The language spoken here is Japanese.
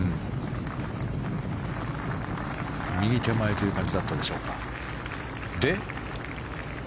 右手前という感じだったでしょうか。